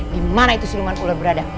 di mana itu siluman ular berada